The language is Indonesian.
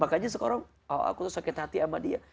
makanya sekarang oh aku sakit hati sama dia